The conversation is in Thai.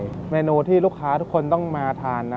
กลับมาสืบสาวเรื่องราวความประทับใจ